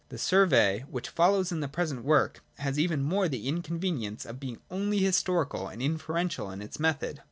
The survey which follows in the present work has even more the inconvenience of being only historical and inferential in its method.